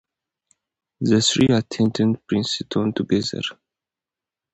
The three attended Princeton together.